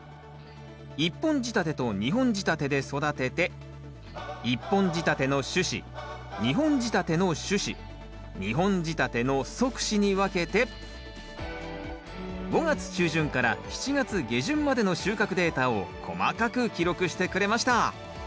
１本仕立てと２本仕立てで育てて１本仕立ての主枝２本仕立ての主枝２本仕立ての側枝に分けて５月中旬から７月下旬までの収穫データを細かく記録してくれました。